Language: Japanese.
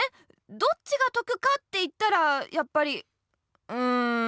どっちが得かっていったらやっぱりうん。